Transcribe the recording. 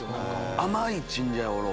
甘いチンジャオロース。